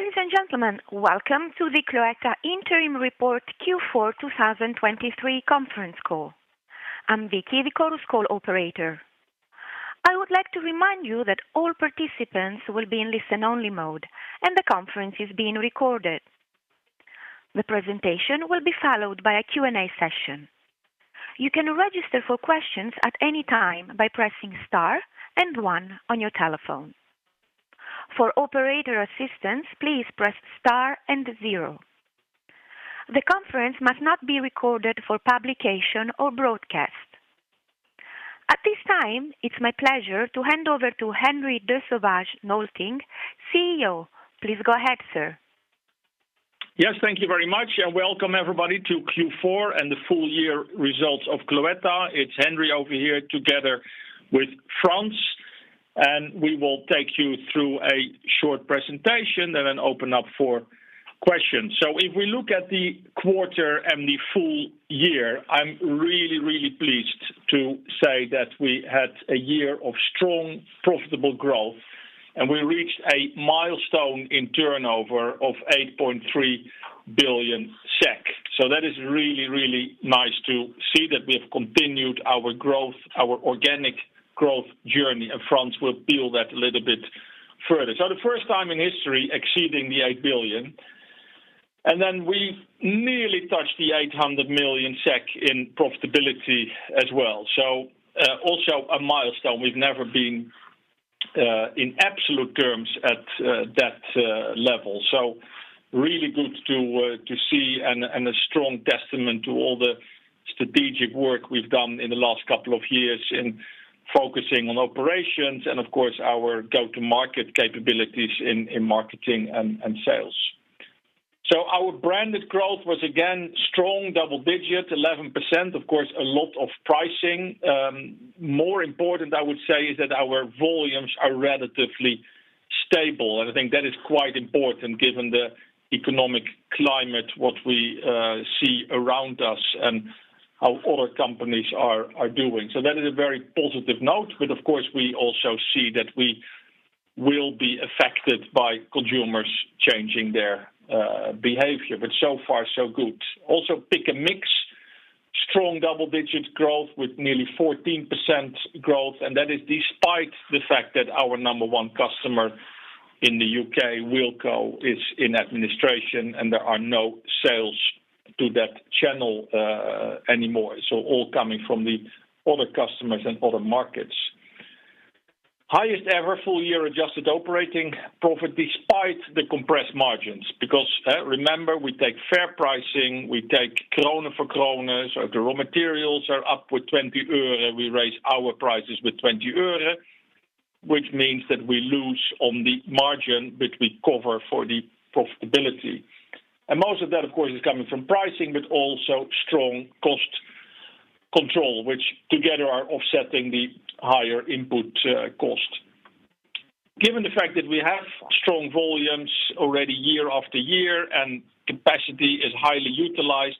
Ladies and gentlemen, welcome to the Cloetta Interim Report Q4 2023 conference call. I'm Vicky, the Chorus Call operator. I would like to remind you that all participants will be in listen-only mode, and the conference is being recorded. The presentation will be followed by a Q&A session. You can register for questions at any time by pressing star and one on your telephone. For operator assistance, please press star and zero. The conference must not be recorded for publication or broadcast. At this time, it's my pleasure to hand over to Henri de Sauvage Nolting, CEO. Please go ahead, sir. Yes, thank you very much, and welcome everybody to Q4 and the full year results of Cloetta. It's Henri over here together with Frans, and we will take you through a short presentation and then open up for questions. So if we look at the quarter and the full year, I'm really, really pleased to say that we had a year of strong, profitable growth, and we reached a milestone in turnover of 8.3 billion SEK. So that is really, really nice to see that we have continued our growth, our organic growth journey, and Frans will build that a little bit further. So the first time in history exceeding the 8 billion, and then we nearly touched the 800 million SEK in profitability as well. So, also a milestone. We've never been in absolute terms at that level. So really good to, to see and, and a strong testament to all the strategic work we've done in the last couple of years in focusing on operations and of course, our go-to-market capabilities in, in marketing and, and sales. So our branded growth was, again, strong, double-digit, 11%, of course, a lot of pricing. More important, I would say, is that our volumes are relatively stable, and I think that is quite important given the economic climate, what we, see around us and how other companies are, are doing. So that is a very positive note, but of course, we also see that we will be affected by consumers changing their, behavior. But so far, so good. Also, Pick & Mix, strong double-digit growth with nearly 14% growth, and that is despite the fact that our number one customer in the UK, Wilko, is in administration, and there are no sales to that channel, anymore. So all coming from the other customers and other markets. Highest ever full-year adjusted operating profit despite the compressed margins, because, remember, we take fair pricing, we take krona for krona, so the raw materials are up with 20 euro, and we raise our prices with 20 euro, which means that we lose on the margin, but we cover for the profitability. And most of that, of course, is coming from pricing, but also strong cost control, which together are offsetting the higher input, cost. Given the fact that we have strong volumes already year after year, and capacity is highly utilized,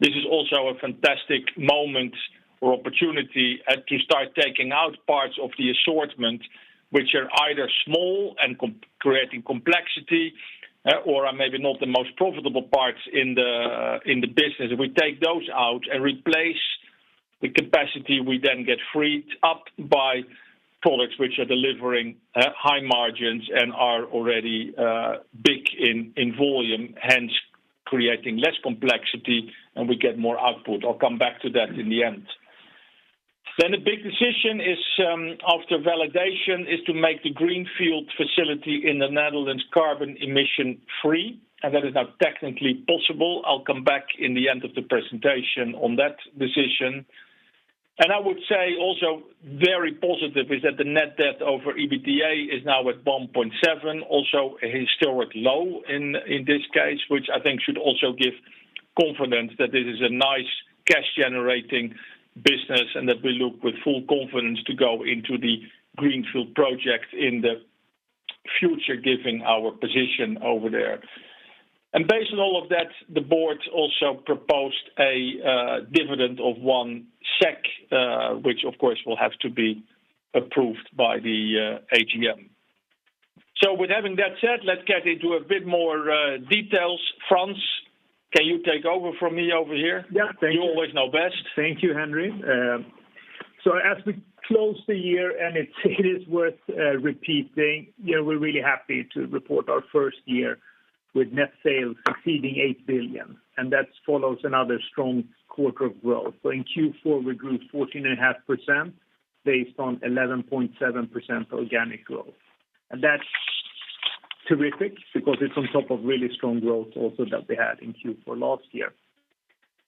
this is also a fantastic moment or opportunity to start taking out parts of the assortment, which are either small and creating complexity or are maybe not the most profitable parts in the business. If we take those out and replace the capacity, we then get freed up by products which are delivering high margins and are already big in volume, hence creating less complexity, and we get more output. I'll come back to that in the end. Then the big decision is, after validation, to make the greenfield facility in the Netherlands carbon emission free, and that is now technically possible. I'll come back in the end of the presentation on that decision. I would say also very positive is that the net debt over EBITDA is now at 1.7, also a historic low in this case, which I think should also give confidence that this is a nice cash-generating business, and that we look with full confidence to go into the greenfield project in the future, given our position over there. Based on all of that, the board also proposed a dividend of 1 SEK, which of course will have to be approved by the AGM. With having that said, let's get into a bit more details. Frans, can you take over from me over here? Yeah, thank you. You always know best. Thank you, Henry. So as we close the year, and it is worth repeating, yeah, we're really happy to report our first year with net sales exceeding 8 billion, and that follows another strong quarter of growth. In Q4, we grew 14.5%, based on 11.7% organic growth. That's terrific because it's on top of really strong growth also that we had in Q4 last year.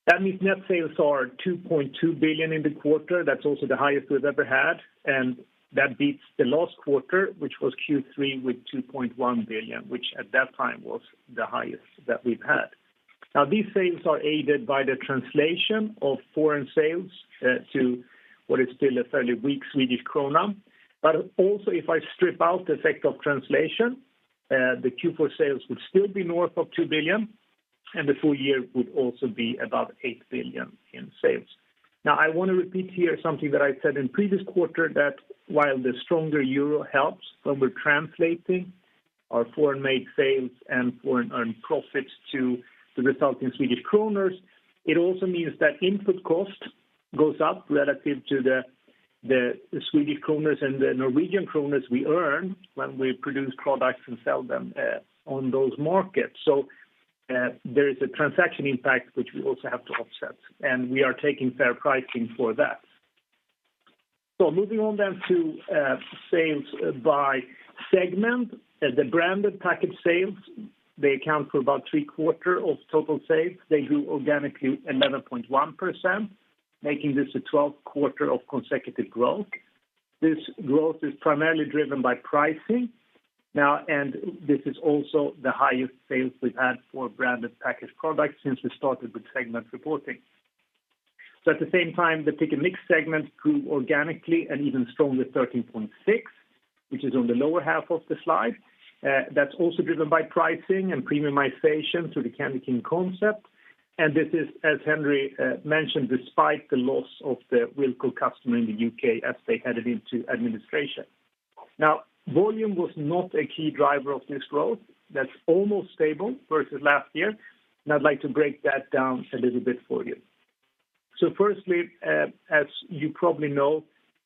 That means net sales are 2.2 billion in the quarter. That's also the highest we've ever had, and that beats the last quarter, which was Q3 with 2.1 billion, which at that time was the highest that we've had. Now, these sales are aided by the translation of foreign sales to what is still a fairly weak Swedish krona. But also, if I strip out the effect of translation, the Q4 sales would still be north of 2 billion, and the full year would also be about 8 billion in sales. Now, I want to repeat here something that I said in previous quarter, that while the stronger euro helps when we're translating our foreign-made sales and foreign earned profits to the result in Swedish kronor, it also means that input cost goes up relative to the Swedish kronor and the Norwegian kroner we earn when we produce products and sell them on those markets. So, there is a transaction impact, which we also have to offset, and we are taking fair pricing for that. So moving on then to sales by segment. The branded package sales, they account for about three-quarters of total sales. They grew organically, 11.1%, making this a 12th quarter of consecutive growth. This growth is primarily driven by pricing now, and this is also the highest sales we've had for branded packaged products since we started with segment reporting. So at the same time, the pick & mix segment grew organically and even stronger, 13.6, which is on the lower half of the slide. That's also driven by pricing and premiumization through the CandyKing concept. And this is, as Henri mentioned, despite the loss of the Wilko customer in the UK as they headed into administration. Now, volume was not a key driver of this growth. That's almost stable versus last year, and I'd like to break that down a little bit for you. Firstly, as you probably know,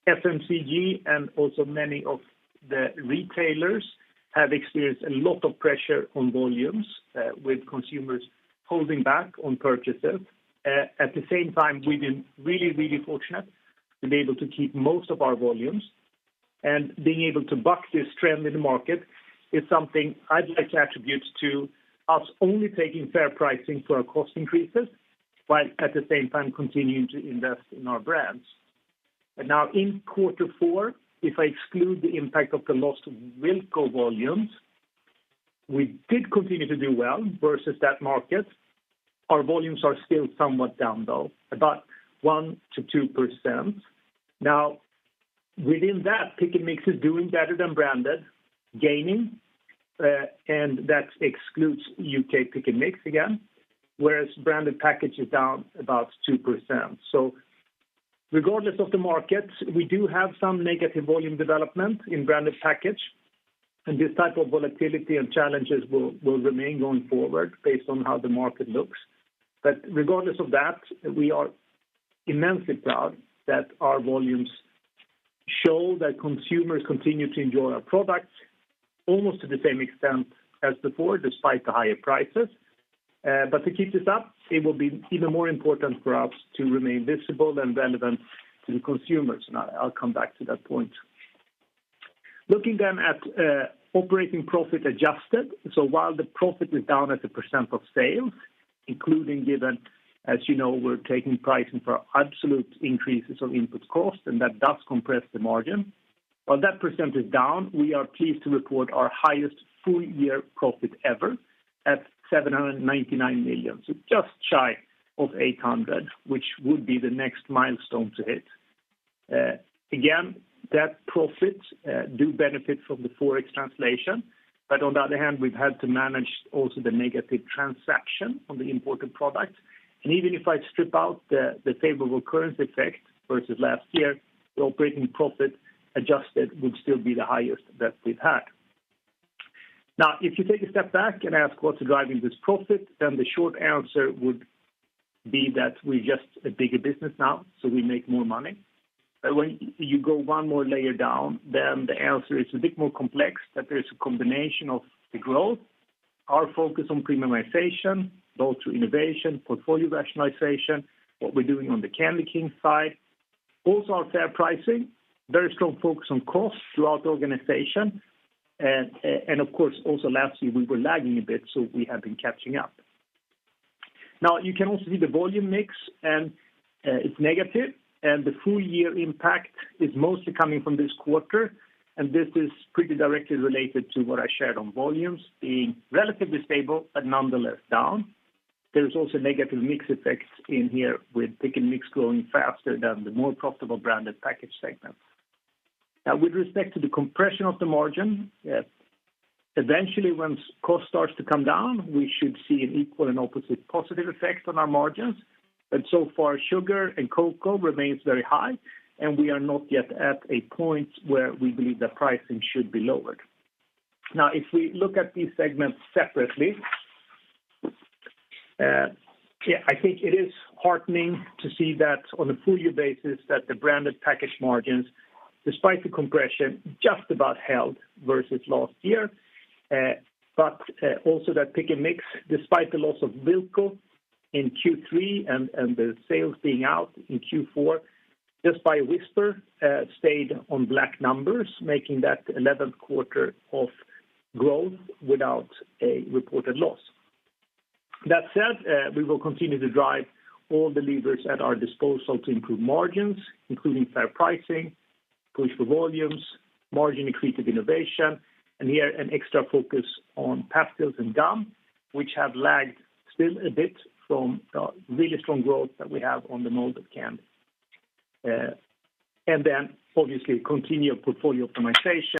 FMCG and also many of the retailers have experienced a lot of pressure on volumes, with consumers holding back on purchases. At the same time, we've been really, really fortunate to be able to keep most of our volumes, and being able to buck this trend in the market is something I'd like to attribute to us only taking fair pricing for our cost increases, while at the same time continuing to invest in our brands. Now in quarter four, if I exclude the impact of the loss of Wilko volumes, we did continue to do well versus that market. Our volumes are still somewhat down, though, about 1%-2%. Now, within that, Pick & Mix is doing better than branded, gaining, and that excludes UK Pick & Mix again, whereas branded package is down about 2%. So regardless of the market, we do have some negative volume development in branded package, and this type of volatility and challenges will remain going forward based on how the market looks. But regardless of that, we are immensely proud that our volumes show that consumers continue to enjoy our products almost to the same extent as before, despite the higher prices. But to keep this up, it will be even more important for us to remain visible and relevant to the consumers, and I'll come back to that point. Looking then at operating profit adjusted, so while the profit is down as a % of sales, including given, as you know, we're taking pricing for absolute increases on input cost, and that does compress the margin. While that percent is down, we are pleased to report our highest full year profit ever at 799 million, so just shy of 800, which would be the next milestone to hit. Again, that profit do benefit from the forex translation, but on the other hand, we've had to manage also the negative transaction on the imported products. And even if I strip out the favorable currency effect versus last year, the operating profit adjusted would still be the highest that we've had. Now, if you take a step back and ask what's driving this profit, then the short answer would be that we're just a bigger business now, so we make more money. But when you go one more layer down, then the answer is a bit more complex, that there is a combination of the growth, our focus on premiumization, both through innovation, portfolio rationalization, what we're doing on the CandyKing side, also our fair pricing, very strong focus on costs throughout the organization. And, and of course, also last year we were lagging a bit, so we have been catching up. Now, you can also see the volume mix, and, it's negative, and the full year impact is mostly coming from this quarter, and this is pretty directly related to what I shared on volumes being relatively stable but nonetheless down. There is also negative mix effects in here, with Pick & Mix growing faster than the more profitable branded package segment. Now, with respect to the compression of the margin, eventually, when cost starts to come down, we should see an equal and opposite positive effect on our margins, and so far, sugar and cocoa remains very high, and we are not yet at a point where we believe the pricing should be lowered. Now, if we look at these segments separately, yeah, I think it is heartening to see that on a full year basis, that the branded package margins, despite the compression, just about held versus last year. But also that pick & mix, despite the loss of Wilko in Q3 and the sales being out in Q4, just by Whisper, stayed on black numbers, making that eleventh quarter of growth without a reported loss. That said, we will continue to drive all the levers at our disposal to improve margins, including fair pricing, push for volumes, margin-accretive innovation, and here, an extra focus on pastilles and gum, which have lagged still a bit from really strong growth that we have on the molded candy. And then obviously, continue portfolio optimization.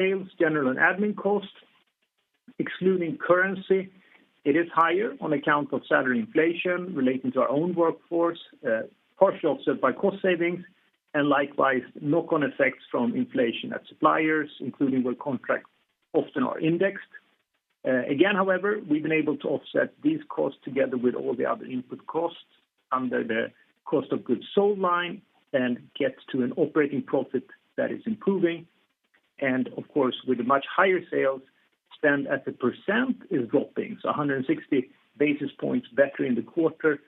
Sales, general and admin costs, excluding currency, it is higher on account of salary inflation relating to our own workforce, partially offset by cost savings, and likewise, knock-on effects from inflation at suppliers, including where contracts often are indexed. Again, however, we've been able to offset these costs together with all the other input costs under the cost of goods sold line and get to an operating profit that is improving. And of course, with the much higher sales, spend as a percent is dropping, so 160 basis points better in the quarter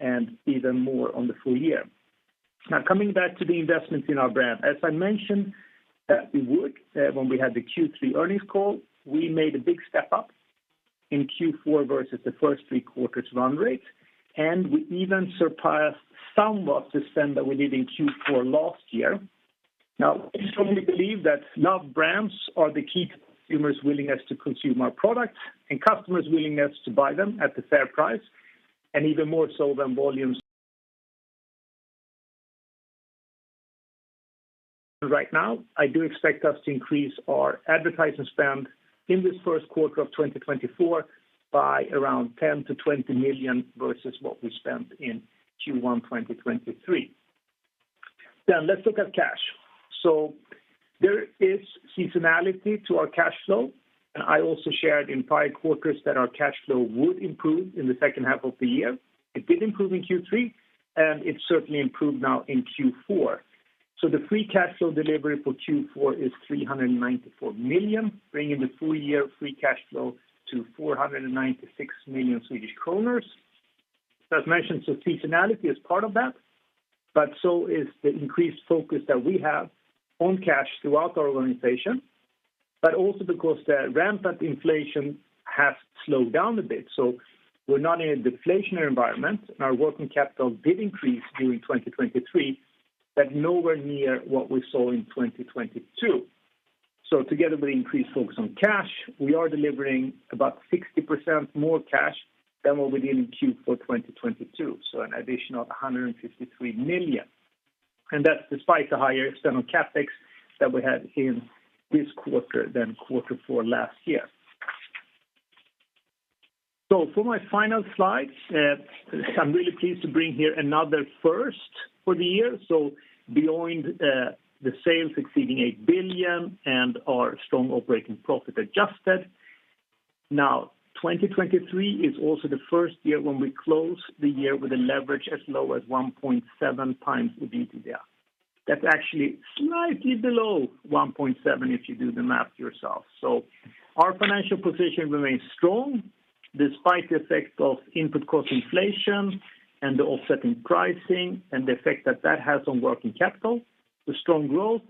and even more on the full year. Now, coming back to the investments in our brand, as I mentioned, we would, when we had the Q3 earnings call, we made a big step up in Q4 versus the first three quarters run rate, and we even surpassed somewhat the spend that we did in Q4 last year. Now, we strongly believe that love brands are the key to consumers' willingness to consume our product and customers' willingness to buy them at the fair price, and even more so than volumes. Right now, I do expect us to increase our advertising spend in this first quarter of 2024 by around 10-20 million versus what we spent in Q1 2023. Then let's look at cash. So there is seasonality to our cash flow, and I also shared in prior quarters that our cash flow would improve in the second half of the year. It did improve in Q3, and it certainly improved now in Q4. So the free cash flow delivery for Q4 is 394 million, bringing the full year free cash flow to 496 million Swedish kronor. As mentioned, so seasonality is part of that, but so is the increased focus that we have on cash throughout our organization, but also because the rampant inflation has slowed down a bit. So we're not in a deflationary environment, and our working capital did increase during 2023, but nowhere near what we saw in 2022. So together with the increased focus on cash, we are delivering about 60% more cash than what we did in Q4 2022, so an additional 153 million, and that's despite the higher external CapEx that we had in this quarter than Quarter four last year. So for my final slide, I'm really pleased to bring here another first for the year. So beyond, the sales exceeding 8 billion and our strong operating profit adjusted. Now, 2023 is also the first year when we close the year with a leverage as low as 1.7x the EBITDA. That's actually slightly below 1.7, if you do the math yourself. So our financial position remains strong despite the effect of input cost inflation and the offsetting pricing and the effect that that has on working capital. The strong growth,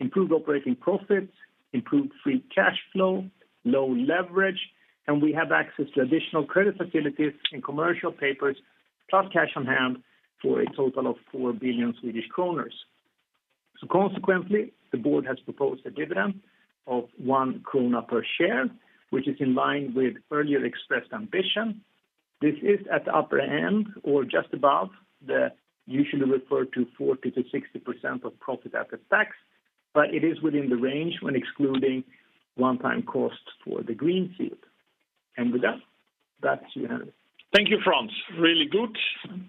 improved operating profits, improved free cash flow, low leverage, and we have access to additional credit facilities and commercial papers, plus cash on hand for a total of 4 billion Swedish kronor. So consequently, the board has proposed a dividend of 1 krona per share, which is in line with earlier expressed ambition. This is at the upper end or just above the usually referred to 40%-60% of profit after tax, but it is within the range when excluding one-time costs for the greenfield. And with that, back to you, Henri. Thank you, Frans. Really good,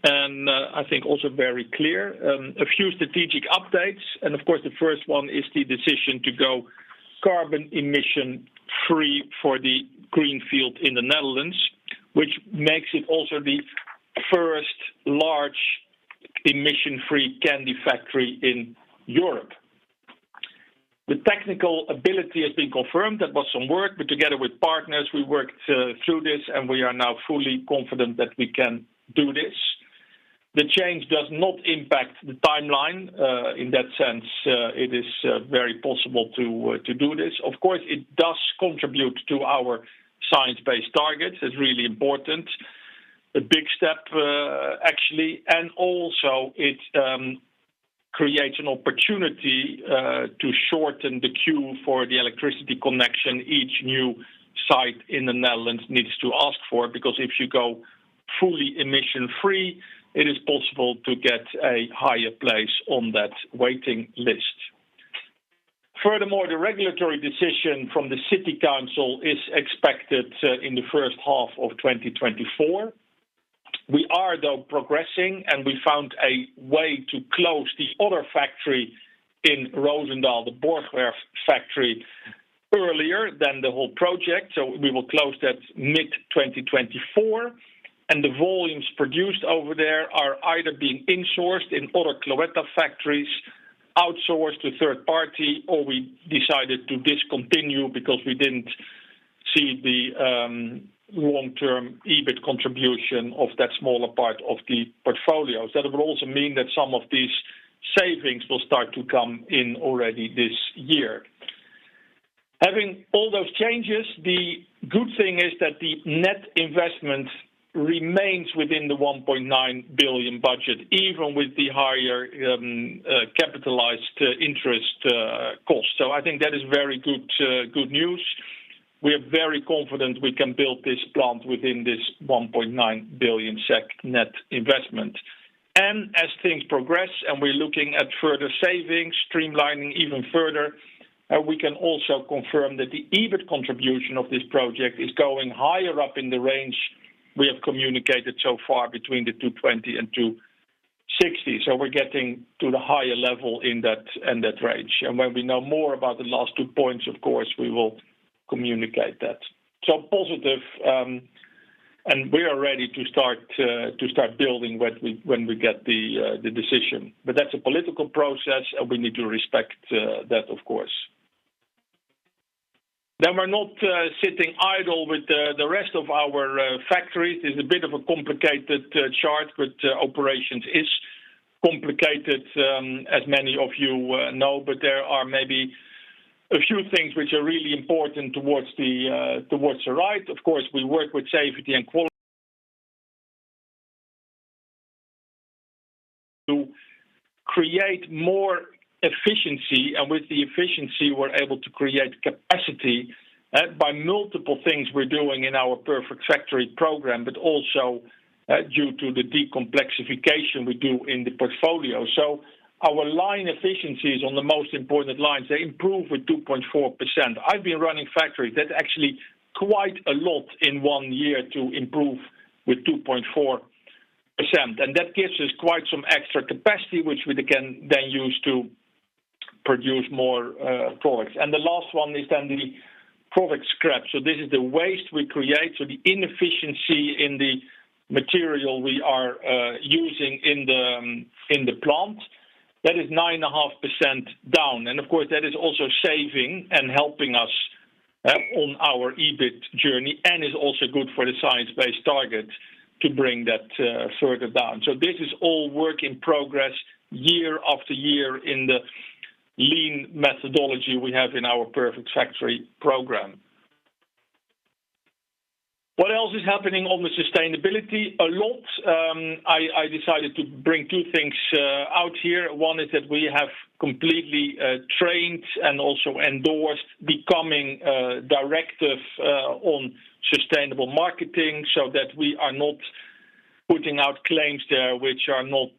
and I think also very clear. A few strategic updates, and of course, the first one is the decision to go carbon emission-free for the greenfield in the Netherlands, which makes it also the first large emission-free candy factory in Europe. The technical ability has been confirmed. That was some work, but together with partners, we worked through this, and we are now fully confident that we can do this. The change does not impact the timeline. In that sense, it is very possible to do this. Of course, it does contribute to our science-based targets. It's really important. A big step, actually, and also it creates an opportunity to shorten the queue for the electricity connection each new site in the Netherlands needs to ask for, because if you go fully emission-free, it is possible to get a higher place on that waiting list. Furthermore, the regulatory decision from the city council is expected in the first half of 2024. We are, though, progressing, and we found a way to close the other factory in Roosendaal, the Borchwerf factory, earlier than the whole project, so we will close that mid-2024, and the volumes produced over there are either being insourced in other Cloetta factories, outsourced to third party, or we decided to discontinue because we didn't see the long-term EBIT contribution of that smaller part of the portfolio. So that will also mean that some of these savings will start to come in already this year. Having all those changes, the good thing is that the net investment remains within the 1.9 billion budget, even with the higher, capitalized interest, cost. So I think that is very good, good news.... We are very confident we can build this plant within this 1.9 billion SEK net investment. And as things progress, and we're looking at further savings, streamlining even further, we can also confirm that the EBIT contribution of this project is going higher up in the range we have communicated so far between 220 and 260. So we're getting to the higher level in that, in that range. And when we know more about the last two points, of course, we will communicate that. So positive, and we are ready to start building when we get the decision. But that's a political process, and we need to respect that, of course. Then we're not sitting idle with the rest of our factories. It's a bit of a complicated chart, but operations is complicated, as many of you know, but there are maybe a few things which are really important towards the right. Of course, we work with safety and quality to create more efficiency, and with the efficiency, we're able to create capacity by multiple things we're doing in our Perfect Factory program, but also due to the decomplexification we do in the portfolio. So our line efficiencies on the most important lines, they improve with 2.4%. I've been running factories, that's actually quite a lot in one year to improve with 2.4%, and that gives us quite some extra capacity, which we can then use to produce more products. And the last one is then the product scrap. So this is the waste we create, so the inefficiency in the material we are using in the plant, that is 9.5% down. And of course, that is also saving and helping us on our EBIT journey, and is also good for the science-based target to bring that further down. So this is all work in progress, year after year, in the lean methodology we have in our Perfect Factory program. What else is happening on the sustainability? A lot, I decided to bring two things out here. One is that we have completely trained and also endorsed becoming a directive on sustainable marketing, so that we are not putting out claims there which are not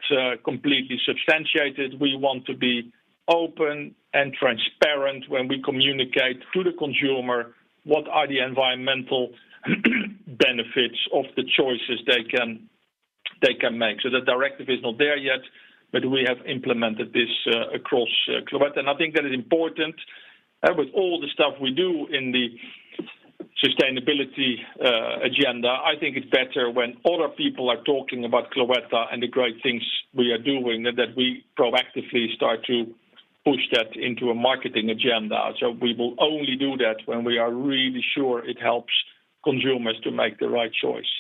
completely substantiated. We want to be open and transparent when we communicate to the consumer, what are the environmental benefits of the choices they can, they can make? So the directive is not there yet, but we have implemented this across Cloetta, and I think that is important. And with all the stuff we do in the sustainability agenda, I think it's better when other people are talking about Cloetta and the great things we are doing, than that we proactively start to push that into a marketing agenda. So we will only do that when we are really sure it helps consumers to make the right choice.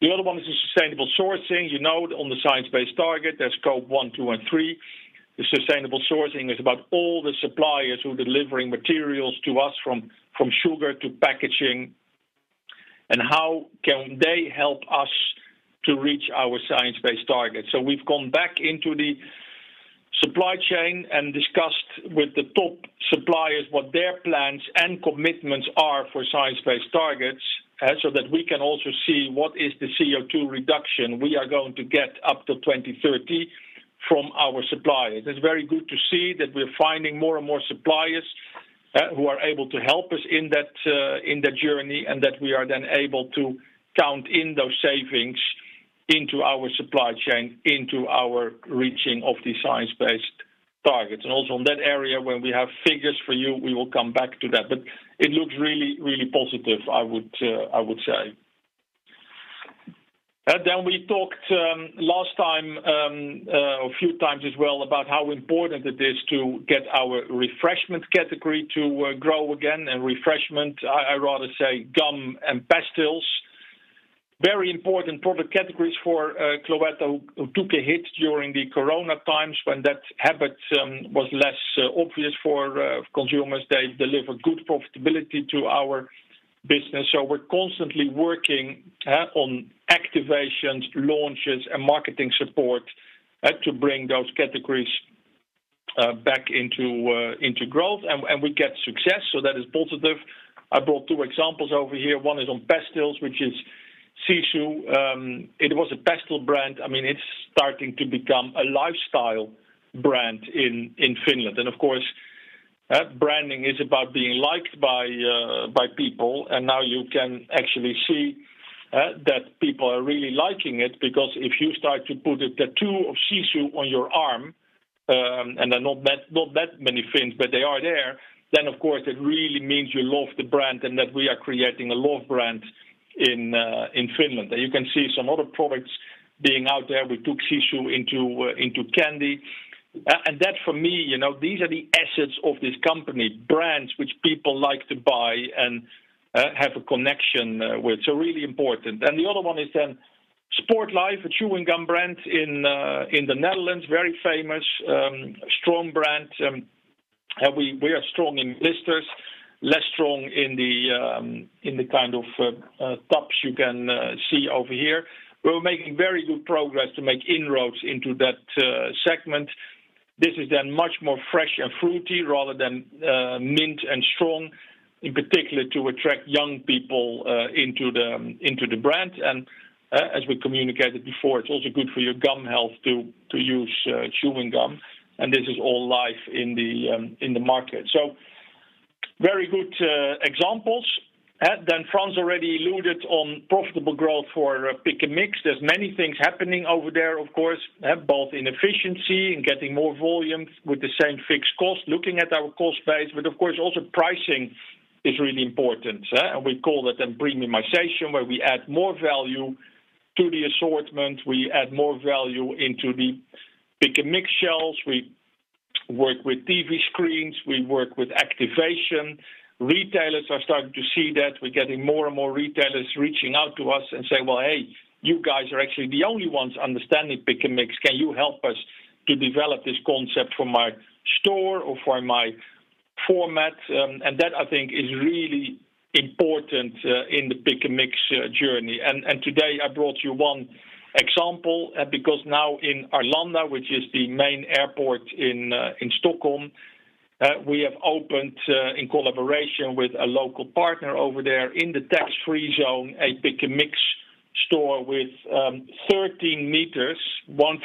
The other one is the sustainable sourcing. You know, on the Science-Based Targets, there's scope 1, 2, and 3. The sustainable sourcing is about all the suppliers who are delivering materials to us, from sugar to packaging, and how can they help us to reach our Science-Based Targets? So we've gone back into the supply chain and discussed with the top suppliers what their plans and commitments are for Science-Based Targets, so that we can also see what is the CO2 reduction we are going to get up to 2030 from our suppliers. It's very good to see that we're finding more and more suppliers who are able to help us in that journey, and that we are then able to count in those savings into our supply chain, into our reaching of the Science-Based Targets. And also in that area, when we have figures for you, we will come back to that. But it looks really, really positive, I would say. Then we talked last time, a few times as well, about how important it is to get our refreshment category to grow again. And refreshment, I rather say gum and pastilles. Very important product categories for Cloetta, who took a hit during the Corona times when that habit was less obvious for consumers. They deliver good profitability to our business, so we're constantly working on activations, launches, and marketing support to bring those categories back into growth, and we get success, so that is positive. I brought two examples over here. One is on pastilles, which is Sisu. It was a pastille brand. I mean, it's starting to become a lifestyle brand in, in Finland. And of course, branding is about being liked by, by people. And now you can actually see that people are really liking it, because if you start to put a tattoo of Sisu on your arm, and they're not that, not that many things, but they are there, then of course, it really means you love the brand and that we are creating a love brand in, in Finland. And you can see some other products being out there. We took Sisu into, into candy. And that for me, you know, these are the assets of this company, brands which people like to buy and have a connection with, so really important. And the other one is then Sportlife, a chewing gum brand in the Netherlands, very famous, strong brand, and we are strong in blisters, less strong in the kind of tubs you can see over here. We're making very good progress to make inroads into that segment. This is then much more fresh and fruity rather than mint and strong, in particular, to attract young people into the brand. And as we communicated before, it's also good for your gum health to use chewing gum, and this is all live in the market. So very good examples. Then Frans already alluded on profitable growth for Pick & Mix. There's many things happening over there, of course, both in efficiency, in getting more volume with the same fixed cost, looking at our cost base, but of course, also pricing is really important, and we call that then premiumization, where we add more value to the assortment, we add more value into the pick & mix shelves. We work with TV screens, we work with activation. Retailers are starting to see that. We're getting more and more retailers reaching out to us and saying, "Well, hey, you guys are actually the only ones understanding pick & mix. Can you help us to develop this concept for my store or for my format?" and that, I think, is really important, in the pick & mix, journey. And today, I brought you one example, because now in Arlanda, which is the main airport in Stockholm, we have opened, in collaboration with a local partner over there in the tax-free zone, a Pick & Mix store with 13 meters of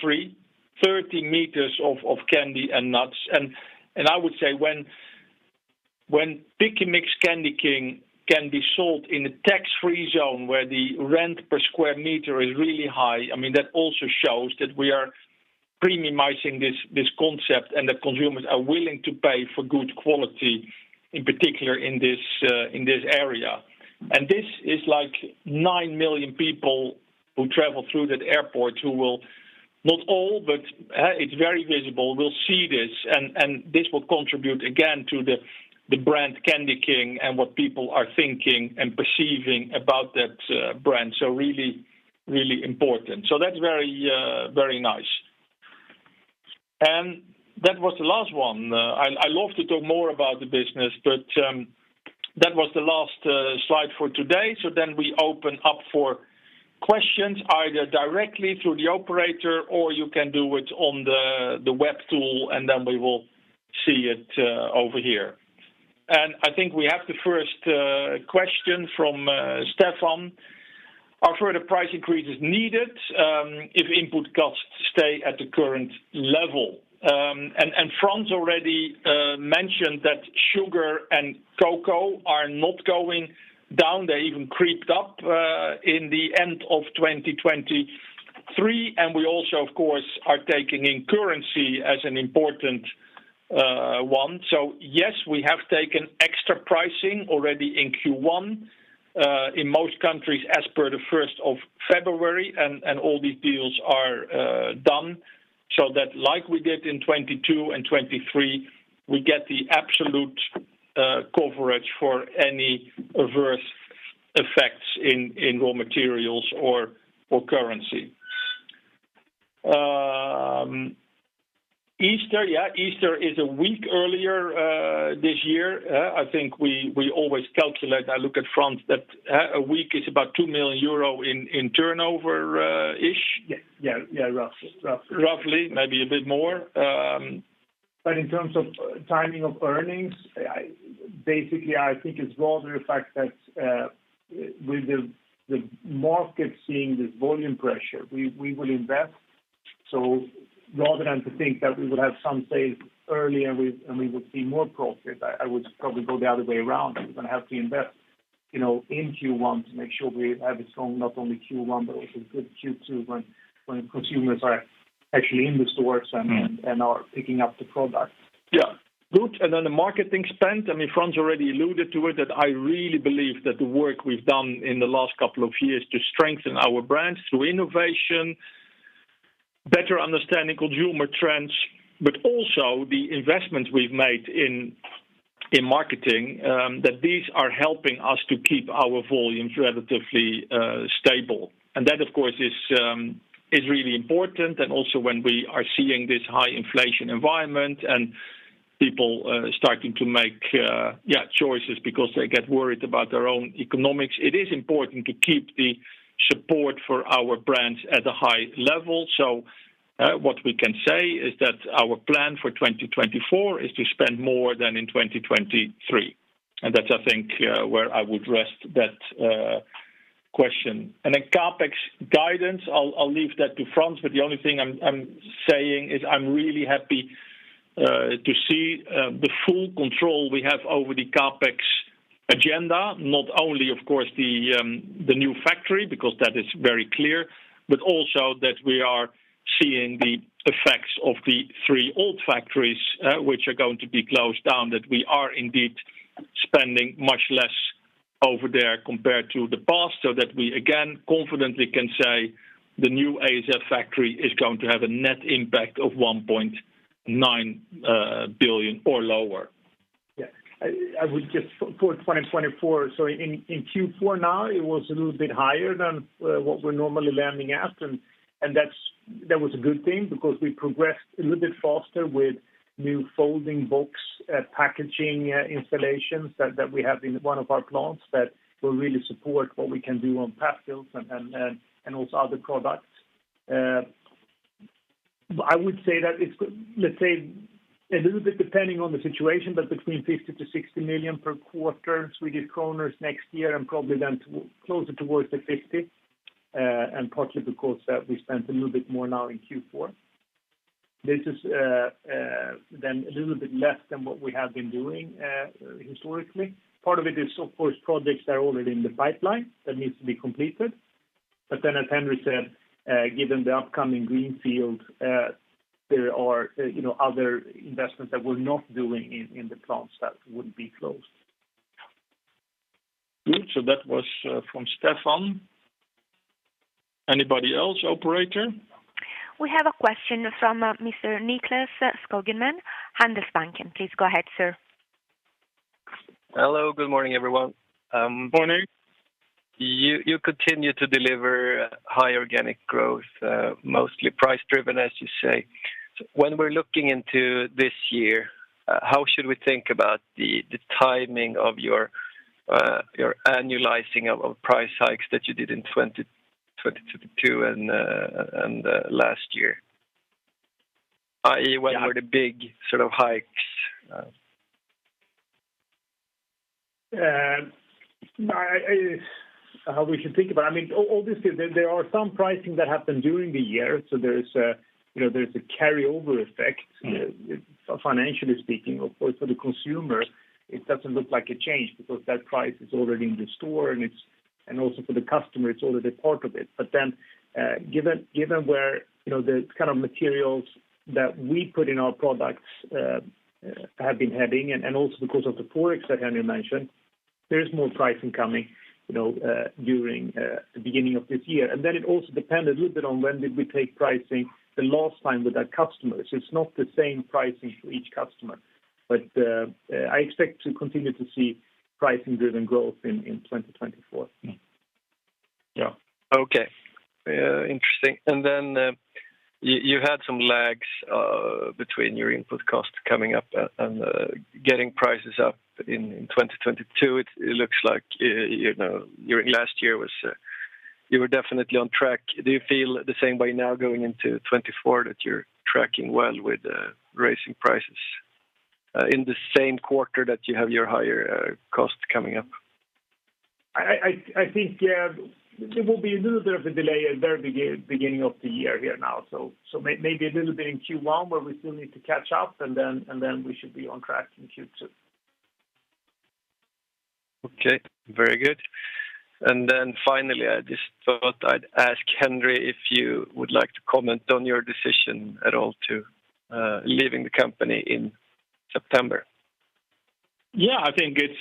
candy and nuts. And I would say, when Pick & Mix CandyKing can be sold in a tax-free zone, where the rent per square meter is really high, I mean, that also shows that we are premiumizing this concept, and that consumers are willing to pay for good quality, in particular, in this area. And this is like 9 million people who travel through that airport, who will... Not all, but it's very visible, will see this, and this will contribute again to the brand CandyKing and what people are thinking and perceiving about that brand, so really, really important. So that's very nice. And that was the last one. I, I'd love to talk more about the business, but that was the last slide for today. So then we open up for questions, either directly through the operator or you can do it on the web tool, and then we will see it over here. And I think we have the first question from Stefan. Are further price increases needed, if input costs stay at the current level? And Frans already mentioned that sugar and cocoa are not going down. They even crept up in the end of 2023, and we also, of course, are taking in currency as an important one. So yes, we have taken extra pricing already in Q1 in most countries, as per the 1st of February, and all these deals are done. So that like we did in 2022 and 2023, we get the absolute coverage for any adverse effects in raw materials or currency. Easter, yeah, Easter is a week earlier this year. I think we always calculate, I look at Frans, that a week is about 2 million euro in turnover, ish? Yeah, yeah, yeah, roughly. Roughly. Roughly, maybe a bit more. But in terms of timing of earnings, basically, I think it's rather the fact that with the market seeing this volume pressure, we will invest. So rather than to think that we will have some say early and we will see more profit, I would probably go the other way around. We're gonna have to invest, you know, in Q1 to make sure we have a strong, not only Q1, but also a good Q2 when consumers are actually in the stores- Mm... and are picking up the product. Good, and then the marketing spend, I mean, Frans already alluded to it, that I really believe that the work we've done in the last couple of years to strengthen our brands through innovation, better understanding consumer trends, but also the investments we've made in marketing, that these are helping us to keep our volumes relatively stable. And that, of course, is really important, and also when we are seeing this high inflation environment and people starting to make choices because they get worried about their own economics, it is important to keep the support for our brands at a high level. So, what we can say is that our plan for 2024 is to spend more than in 2023, and that's, I think, where I would rest that question. Then CapEx guidance, I'll leave that to Frans, but the only thing I'm saying is, I'm really happy to see the full control we have over the CapEx agenda. Not only, of course, the new factory, because that is very clear, but also that we are seeing the effects of the three old factories, which are going to be closed down, that we are indeed spending much less over there compared to the past, so that we again confidently can say the new Greenfield factory is going to have a net impact of 1.9 billion or lower. Yeah. I would just... For 2024, so in Q4 now, it was a little bit higher than what we're normally landing at, and that was a good thing because we progressed a little bit faster with new folding box packaging installations that we have in one of our plants that will really support what we can do on pack fills and also other products. I would say that it's, let's say, a little bit depending on the situation, but between 50-60 million SEK per quarter next year, and probably then closer towards the 50, and partly because we spent a little bit more now in Q4. This is then a little bit less than what we have been doing historically. Part of it is, of course, projects that are already in the pipeline that needs to be completed. But then, as Henri said, given the upcoming Greenfield, there are, you know, other investments that we're not doing in, in the plants that would be closed. Good. So that was from Stefan. Anybody else, operator? We have a question from Mr. Nicklas Skogman, Handelsbanken. Please go ahead, sir. Hello, good morning, everyone. Morning. You continue to deliver high organic growth, mostly price driven, as you say. So when we're looking into this year, how should we think about the timing of your annualizing of price hikes that you did in 2022 and last year? When were the big sort of hikes? How we should think about it? I mean, obviously, there are some pricing that happened during the year, so there is a, you know, there's a carry-over effect. Mm. Financially speaking, of course, for the consumer, it doesn't look like a change because that price is already in the store, and it's-- and also for the customer, it's already part of it. But then, given where, you know, the kind of materials that we put in our products have been heading, and also because of the ForEx that Henri mentioned, there is more pricing coming, you know, during the beginning of this year. And then it also depend a little bit on when did we take pricing the last time with that customer. So it's not the same pricing for each customer. But, I expect to continue to see pricing-driven growth in 2024. Mm. Yeah. Okay. Interesting. And then, you, you had some lags between your input costs coming up and getting prices up in 2022. It looks like, you know, during last year was, you were definitely on track. Do you feel the same way now, going into 2024, that you're tracking well with raising prices in the same quarter that you have your higher costs coming up? I think, yeah, there will be a little bit of a delay at the very beginning of the year here now. So, maybe a little bit in Q1, where we still need to catch up, and then we should be on track in Q2. Okay, very good. And then finally, I just thought I'd ask Henri if you would like to comment on your decision at all to leaving the company in September? Yeah, I think it's,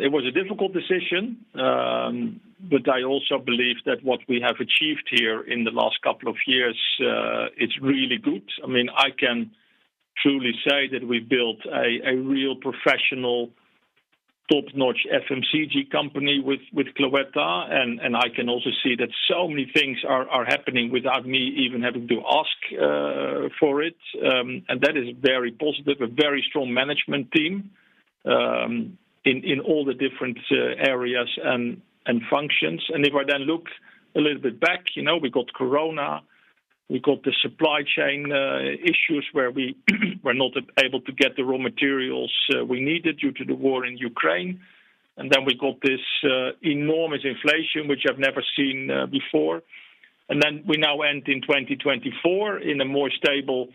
it was a difficult decision, but I also believe that what we have achieved here in the last couple of years, it's really good. I mean, I can truly say that we've built a real professional, top-notch FMCG company with Cloetta, and I can also see that so many things are happening without me even having to ask for it. And that is very positive, a very strong management team, in all the different areas and functions. And if I then look a little bit back, you know, we got Corona, we got the supply chain issues, where we were not able to get the raw materials we needed due to the war in Ukraine. And then we got this enormous inflation, which I've never seen before. And then we now end in 2024 in a more stable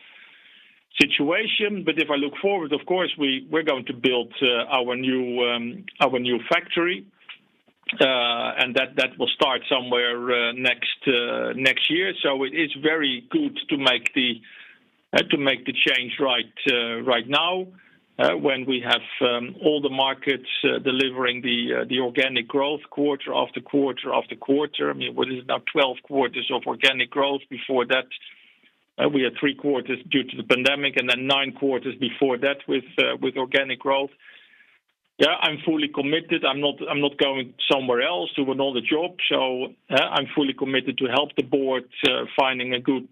situation. But if I look forward, of course, we're going to build our new factory, and that will start somewhere next year. So it is very good to make the change right now, when we have all the markets delivering the organic growth quarter after quarter after quarter. I mean, what is it now? 12 quarters of organic growth. Before that, we had 3 quarters due to the pandemic, and then 9 quarters before that with organic growth. Yeah, I'm fully committed. I'm not, I'm not going somewhere else to another job, so, I'm fully committed to help the board finding a good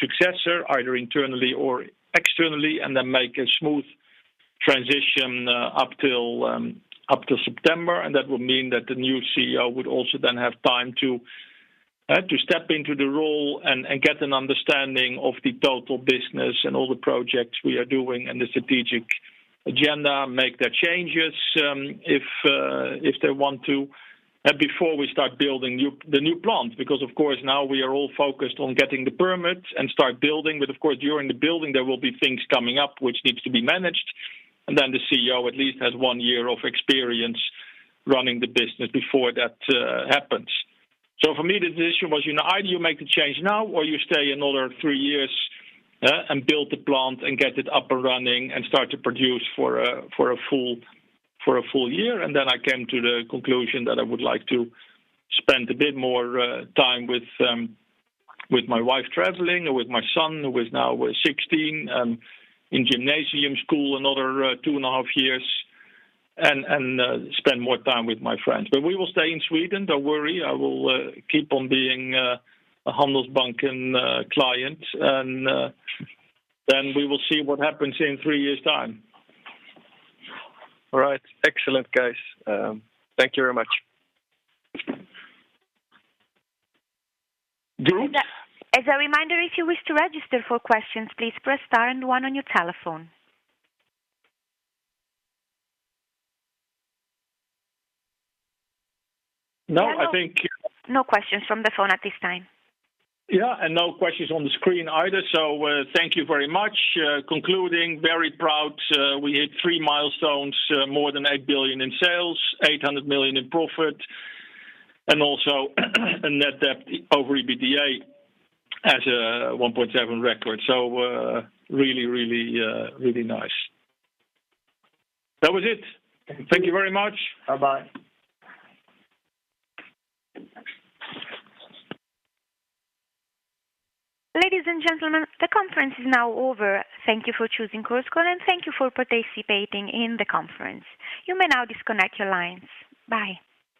successor, either internally or externally, and then make a smooth transition, up till September. That would mean that the new CEO would also then have time to step into the role and get an understanding of the total business and all the projects we are doing and the strategic agenda, make their changes, if they want to, before we start building the new plant. Because, of course, now we are all focused on getting the permits and start building, but, of course, during the building, there will be things coming up which needs to be managed, and then the CEO at least has 1 year of experience running the business before that happens. So for me, the decision was, you know, either you make the change now, or you stay another 3 years and build the plant and get it up and running and start to produce for a full year. And then I came to the conclusion that I would like to spend a bit more time with my wife, traveling, or with my son, who is now 16 and in gymnasium school another 2.5 years, and spend more time with my friends. But we will stay in Sweden. Don't worry, I will keep on being a Handelsbanken client, and then we will see what happens in three years' time. All right. Excellent, guys. Thank you very much. Du? As a reminder, if you wish to register for questions, please press star and one on your telephone. No, I think- No questions from the phone at this time. Yeah, no questions on the screen either, so, thank you very much. Concluding, very proud, we hit three milestones, more than 8 billion in sales, 800 million in profit, and also a net debt over EBITDA as 1.7 record. So, really, really, really nice. That was it. Thank you very much. Bye-bye. Ladies and gentlemen, the conference is now over. Thank you for choosing Chorus Call, and thank you for participating in the conference. You may now disconnect your lines. Bye.